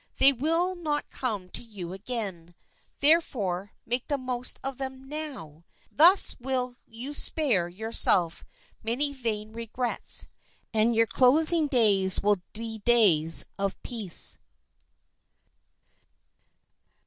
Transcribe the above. They will not come to you again; therefore, make the most of them now. Thus will you spare yourself many vain regrets, and your closing days will be days of peace.